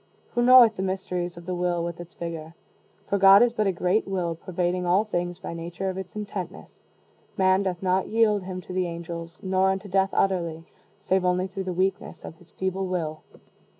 Who knoweth the mysteries of the will, with its vigor? For God is but a great will pervading all things by nature of its intentness. Man doth not yield him to the angels, nor unto death utterly, save only through the weakness of his feeble will."